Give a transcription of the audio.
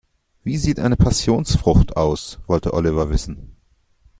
"Wie sieht eine Passionsfrucht aus?", wollte Oliver wissen.